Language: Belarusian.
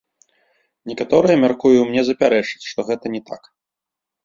Некаторыя, мяркую, мне запярэчаць, што гэта не так.